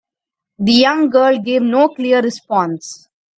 The young girl gave no clear response.